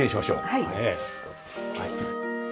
はいどうぞ。